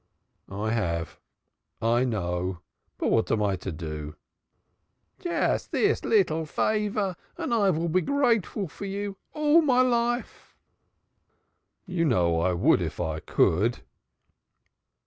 "I have. I know. But what am I to do?" "Jus dis leedle favor; and I vill be gradeful to you all mine life." "You know I would if I could."